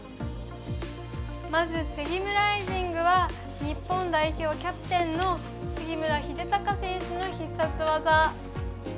まず、スギムライジングは日本代表キャプテンの杉村英孝選手の必殺技。